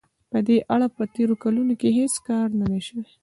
په دې اړه په تېرو کلونو کې هېڅ کار نه دی شوی.